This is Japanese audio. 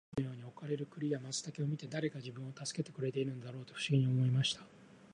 兵十は毎日のように置かれる栗や松茸を見て、誰が自分を助けてくれているのだろうと不思議に思いました。